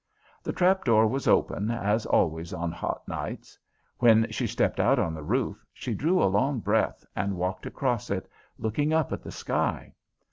The trap door was open, as always on hot nights. When she stepped out on the roof she drew a long breath and walked across it, looking up at the sky.